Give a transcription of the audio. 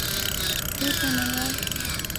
څو تنه یاست؟